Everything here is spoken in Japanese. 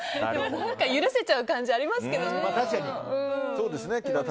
許せちゃう感じありますけどね。